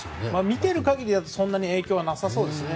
みている限りではそんなに影響なさそうですね。